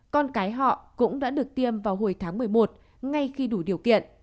con cái họ cũng đã được tiêm vào hồi tháng một mươi một ngay khi đủ điều kiện